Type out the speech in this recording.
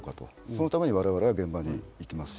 そのために我々は現場に行ってます。